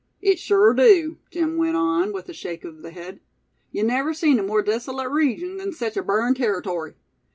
"It sure dew," Jim went on, with a shake of the head. "Yew never seen a more desolate region than sech a burned territory.